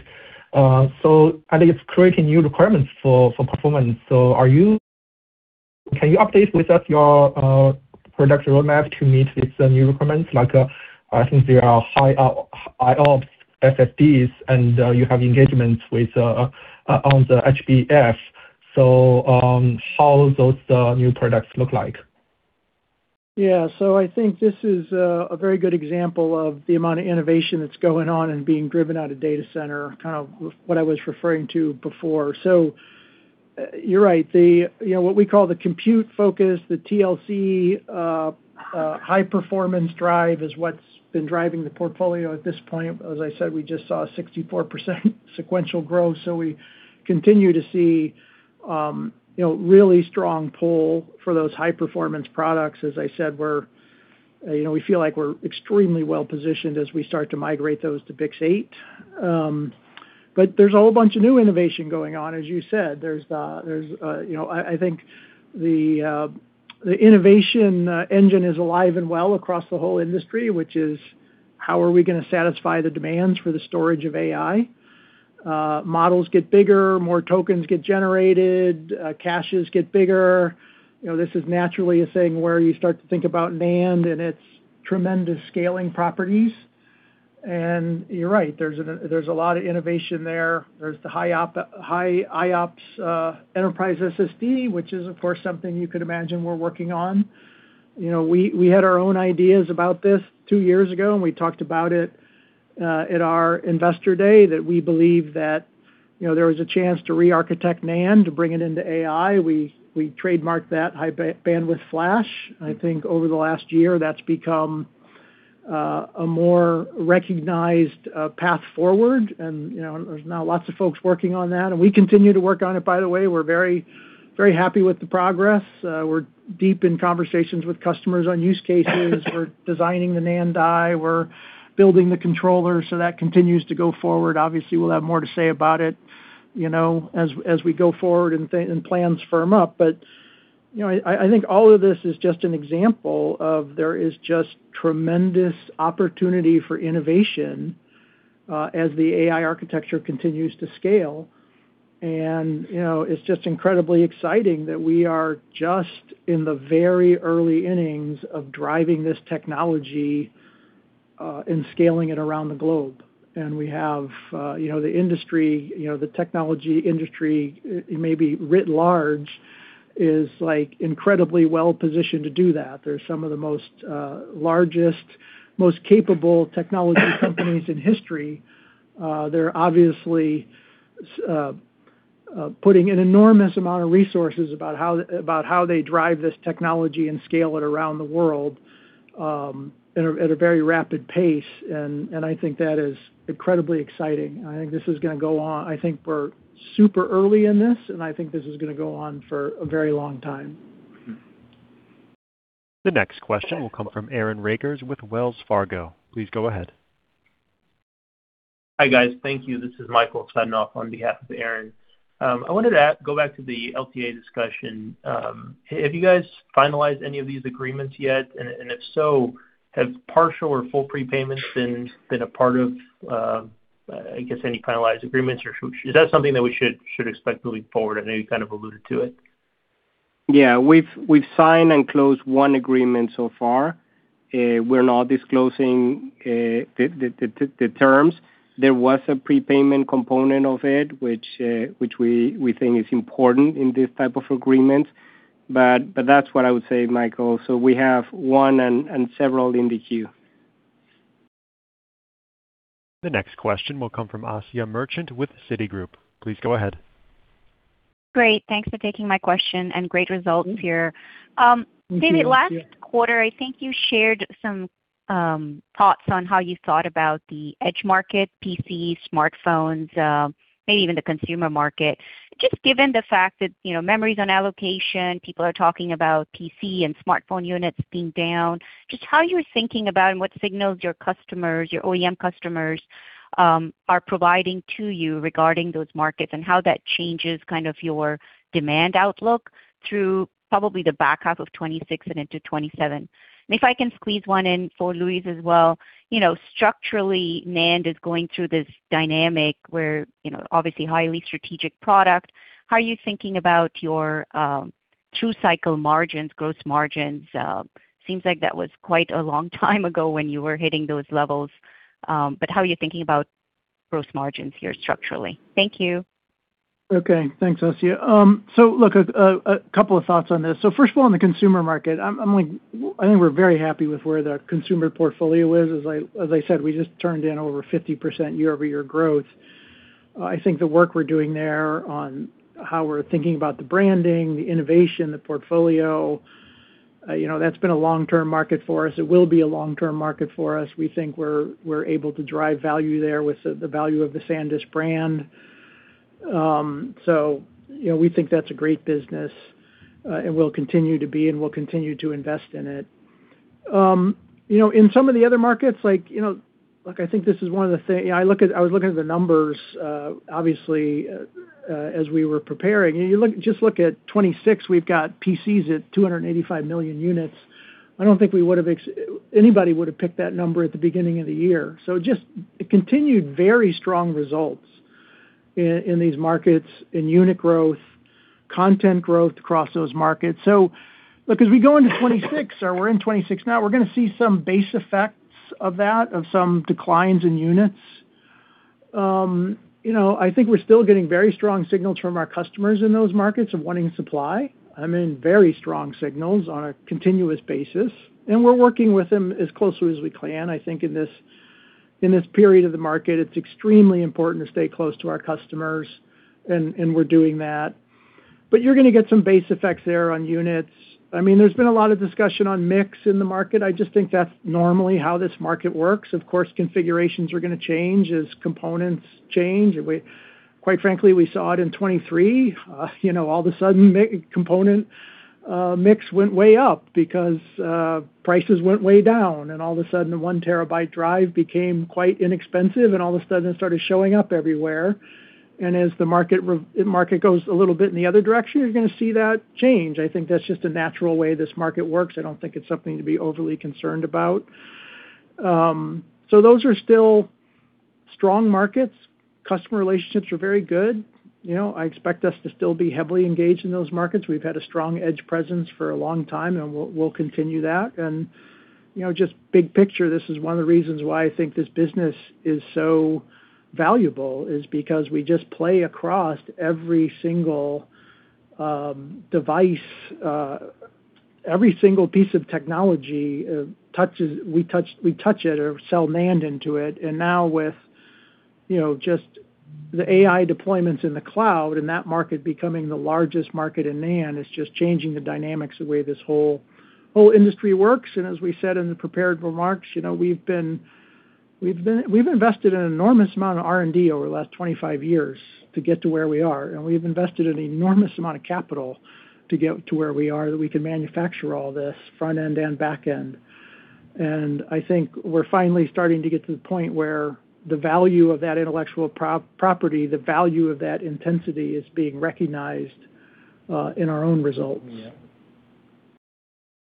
So I think it's creating new requirements for performance. So can you update with us your product roadmap to meet these new requirements? I think there are high IOPS SSDs, and you have engagements on the HBF. So how do those new products look like? Yeah. So I think this is a very good example of the amount of innovation that's going on and being driven out of data center, kind of what I was referring to before. So you're right. What we call the compute focus, the TLC high-performance drive is what's been driving the portfolio at this point. As I said, we just saw 64% sequential growth. So we continue to see a really strong pull for those high-performance products. As I said, we feel like we're extremely well-positioned as we start to migrate those to BiCS8. But there's a whole bunch of new innovation going on, as you said. There's, I think, the innovation engine is alive and well across the whole industry, which is how are we going to satisfy the demands for the storage of AI? Models get bigger, more tokens get generated, caches get bigger. This is naturally a thing where you start to think about NAND and its tremendous scaling properties. You're right. There's a lot of innovation there. There's the high IOPS Enterprise SSD, which is, of course, something you could imagine we're working on. We had our own ideas about this two years ago, and we talked about it at our investor day that we believe that there was a chance to re-architect NAND to bring it into AI. We trademarked that High Bandwidth Flash. I think over the last year, that's become a more recognized path forward. There's now lots of folks working on that. We continue to work on it, by the way. We're very happy with the progress. We're deep in conversations with customers on use cases. We're designing the NAND die. We're building the controllers. So that continues to go forward. Obviously, we'll have more to say about it as we go forward and plans firm up. I think all of this is just an example of there is just tremendous opportunity for innovation as the AI architecture continues to scale. It's just incredibly exciting that we are just in the very early innings of driving this technology and scaling it around the globe. We have the industry, the technology industry, maybe writ large, is incredibly well-positioned to do that. There are some of the most largest, most capable technology companies in history. They're obviously putting an enormous amount of resources about how they drive this technology and scale it around the world at a very rapid pace. I think that is incredibly exciting. I think this is going to go on. I think we're super early in this, and I think this is going to go on for a very long time. The next question will come from Aaron Rakers with Wells Fargo. Please go ahead. Hi, guys. Thank you. This is Michael Fednoff on behalf of Aaron. I wanted to go back to the LTA discussion. Have you guys finalized any of these agreements yet? And if so, have partial or full prepayments been a part of, I guess, any finalized agreements? Or is that something that we should expect moving forward? I know you kind of alluded to it. Yeah. We've signed and closed one agreement so far. We're not disclosing the terms. There was a prepayment component of it, which we think is important in this type of agreement. But that's what I would say, Michael. So we have one and several in the queue. The next question will come from Asiya Merchant with Citigroup. Please go ahead. Great. Thanks for taking my question and great results here. David, last quarter, I think you shared some thoughts on how you thought about the edge market, PC, smartphones, maybe even the consumer market. Just given the fact that memories on allocation, people are talking about PC and smartphone units being down, just how you're thinking about and what signals your customers, your OEM customers, are providing to you regarding those markets and how that changes kind of your demand outlook through probably the back half of 2026 and into 2027. If I can squeeze one in for Luis as well, structurally, NAND is going through this dynamic where obviously highly strategic product. How are you thinking about your true cycle margins, gross margins? Seems like that was quite a long time ago when you were hitting those levels. How are you thinking about gross margins here structurally? Thank you. Okay. Thanks, Asiya. So look, a couple of thoughts on this. So first of all, in the consumer market, I think we're very happy with where the consumer portfolio is. As I said, we just turned in over 50% year-over-year growth. I think the work we're doing there on how we're thinking about the branding, the innovation, the portfolio, that's been a long-term market for us. It will be a long-term market for us. We think we're able to drive value there with the value of the SanDisk brand. So we think that's a great business, and we'll continue to be, and we'll continue to invest in it. In some of the other markets, I think this is one of the things I was looking at the numbers, obviously, as we were preparing. Just look at 2026, we've got PCs at 285 million units. I don't think anybody would have picked that number at the beginning of the year. So just continued very strong results in these markets in unit growth, content growth across those markets. So because we go into 2026, or we're in 2026 now, we're going to see some base effects of that, of some declines in units. I think we're still getting very strong signals from our customers in those markets of wanting supply. I mean, very strong signals on a continuous basis. And we're working with them as closely as we can. I think in this period of the market, it's extremely important to stay close to our customers, and we're doing that. But you're going to get some base effects there on units. I mean, there's been a lot of discussion on mix in the market. I just think that's normally how this market works. Of course, configurations are going to change as components change. Quite frankly, we saw it in 2023. All of a sudden, component mix went way up because prices went way down. All of a sudden, the 1 TB drive became quite inexpensive, and all of a sudden, it started showing up everywhere. As the market goes a little bit in the other direction, you're going to see that change. I think that's just a natural way this market works. I don't think it's something to be overly concerned about. Those are still strong markets. Customer relationships are very good. I expect us to still be heavily engaged in those markets. We've had a strong edge presence for a long time, and we'll continue that. And just big picture, this is one of the reasons why I think this business is so valuable is because we just play across every single device, every single piece of technology. We touch it or sell NAND into it. And now with just the AI deployments in the cloud and that market becoming the largest market in NAND, it's just changing the dynamics of the way this whole industry works. And as we said in the prepared remarks, we've invested an enormous amount of R&D over the last 25 years to get to where we are. And we've invested an enormous amount of capital to get to where we are that we can manufacture all this, front end and back end. I think we're finally starting to get to the point where the value of that intellectual property, the value of that intensity is being recognized in our own results.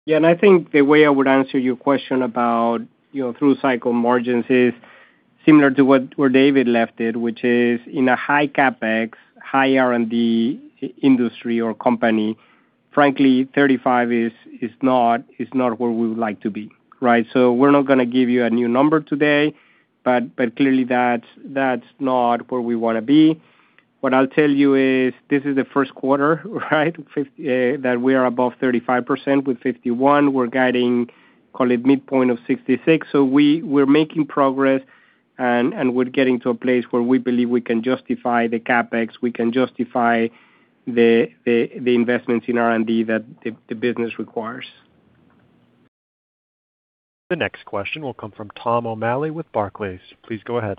Yeah. And I think the way I would answer your question about through cycle margins is similar to what David left it, which is in a high CapEx, high R&D industry or company, frankly, 35% is not where we would like to be, right? So we're not going to give you a new number today, but clearly, that's not where we want to be. What I'll tell you is this is the first quarter, right, that we are above 35% with 51%. We're guiding, call it midpoint of 66%. So we're making progress, and we're getting to a place where we believe we can justify the CapEx. We can justify the investments in R&D that the business requires. The next question will come from Tom O'Malley with Barclays. Please go ahead.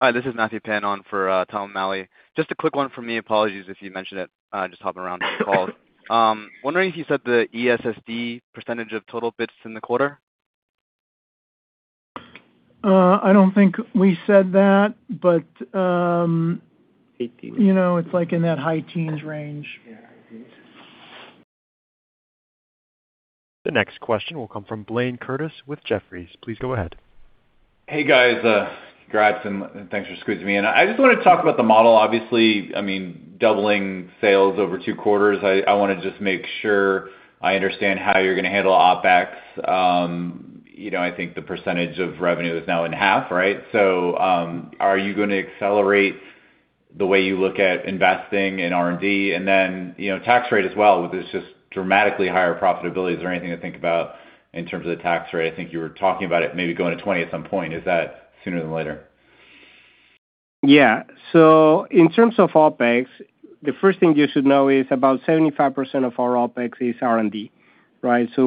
Hi. This is Matthew Pan on for Tom O'Malley. Just a quick one from me. Apologies if you mentioned it just hopping around on the call. Wondering if you said the ESSD percentage of total bits in the quarter? I don't think we said that, but it's like in that high teens range. The next question will come from Blayne Curtis with Jefferies. Please go ahead. Hey, guys. Congrats and thanks for scooting me in. I just wanted to talk about the model. Obviously, I mean, doubling sales over two quarters, I wanted to just make sure I understand how you're going to handle OpEx. I think the percentage of revenue is now in half, right? So are you going to accelerate the way you look at investing in R&D and then tax rate as well, which is just dramatically higher profitability? Is there anything to think about in terms of the tax rate? I think you were talking about it maybe going to 20% at some point. Is that sooner than later? Yeah. So in terms of OpEx, the first thing you should know is about 75% of our OpEx is R&D, right? So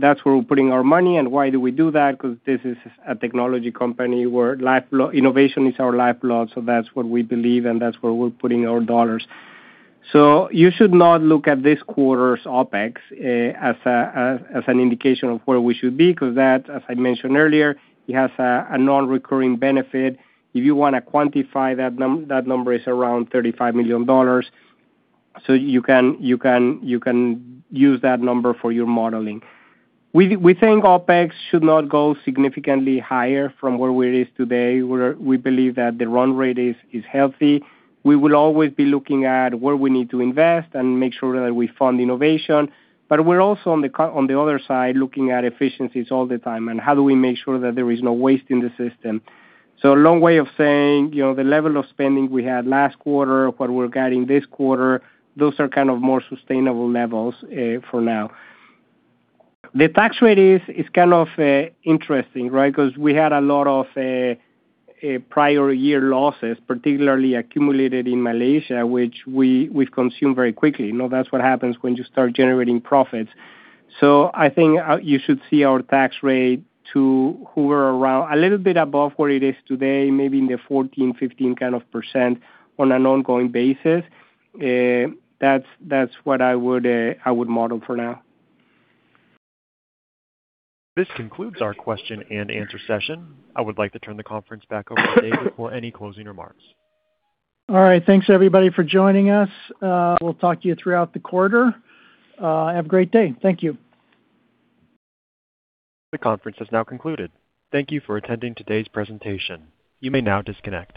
that's where we're putting our money. And why do we do that? Because this is a technology company where innovation is our lifeblood. So that's what we believe, and that's where we're putting our dollars. So you should not look at this quarter's OpEx as an indication of where we should be because that, as I mentioned earlier, has a non-recurring benefit. If you want to quantify that number, it's around $35 million. So you can use that number for your modeling. We think OpEx should not go significantly higher from where we are today. We believe that the run rate is healthy. We will always be looking at where we need to invest and make sure that we fund innovation. But we're also on the other side looking at efficiencies all the time and how do we make sure that there is no waste in the system. So a long way of saying the level of spending we had last quarter, what we're guiding this quarter, those are kind of more sustainable levels for now. The tax rate is kind of interesting, right? Because we had a lot of prior year losses, particularly accumulated in Malaysia, which we've consumed very quickly. That's what happens when you start generating profits. So I think you should see our tax rate to hover around a little bit above where it is today, maybe in the 14%-15% kind of on an ongoing basis. That's what I would model for now. This concludes our question and answer session. I would like to turn the conference back over to David for any closing remarks. All right. Thanks, everybody, for joining us. We'll talk to you throughout the quarter. Have a great day. Thank you. The conference has now concluded. Thank you for attending today's presentation. You may now disconnect.